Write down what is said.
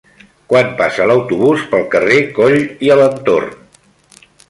Quan passa l'autobús pel carrer Coll i Alentorn?